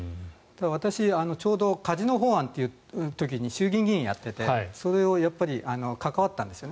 私、ちょうどカジノ法案という時に衆議院議員をやっていてそれに関わったんです。